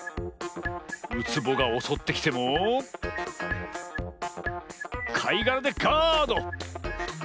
ウツボがおそってきてもかいがらでガード！